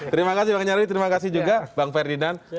terima kasih bang nyarwi terima kasih juga bang ferdinand